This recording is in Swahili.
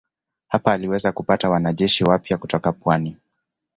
Hapa aliweza kupata wanajeshi wapya kutoka pwani.